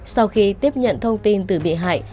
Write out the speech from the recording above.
sau khi tiếp nhận thông tin từ bị hại